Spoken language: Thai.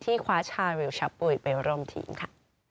คว้าชาวิวชะปุ๋ยไปร่วมทีมค่ะ